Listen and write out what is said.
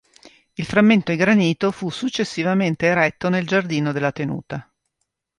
Il frammento in granito fu successivamente eretto nel giardino della tenuta.